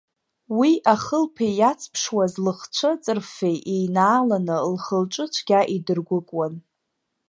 Уи ахылԥеи иаҵԥшуаз лыхцәы ҵырффеи еинааланы лхы-лҿы цәгьа идыргәыкуан.